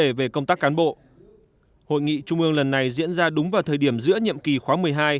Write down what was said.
với vấn đề về công tác cán bộ hội nghị trung ương lần này diễn ra đúng vào thời điểm giữa nhiệm kỳ khóa một mươi hai